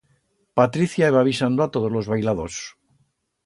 Patricia iba avisando a todos los bailadors.